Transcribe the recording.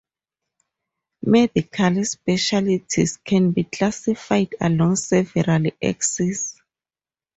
Medical specialties can be classified along several axes.